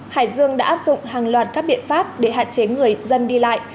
hải dương đã áp dụng hàng loạt các biện pháp để hạn chế người dân đi lại